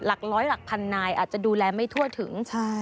หลักร้อยหลักพันนายอาจจะดูแลไม่ทั่วถึง